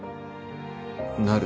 なる。